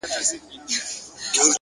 د زړورتیا اصل د وېرې درک دی!